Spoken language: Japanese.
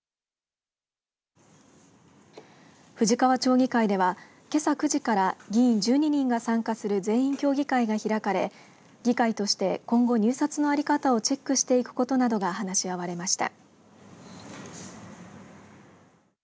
富士川町議会ではけさ９時から議員１２人が参加する全員協議会が開かれ議会として今後入札の在り方をチェックしていくことなどが話し合われました。